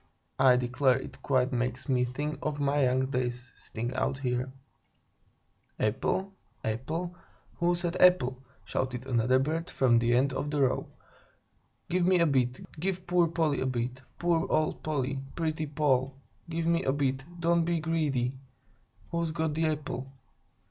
I declare it quite makes me think of my young days, sitting out here." "Apple? Apple? Who said apple?" shouted another bird from the end of the row. "Give me a bit! Give poor Polly a bit! Poor old Polly! Pretty Poll! Give me a bit; don't be greedy! Who's got the apple?"